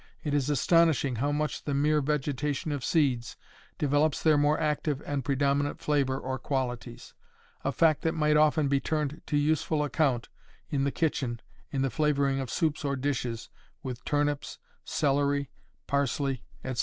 It is astonishing how much the mere vegetation of seeds develops their more active and predominant flavor or qualities; a fact that might often be turned to useful account in the kitchen in the flavoring of soups or dishes, with turnips, celery, parsley, etc.